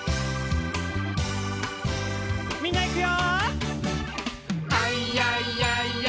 みんないくよ！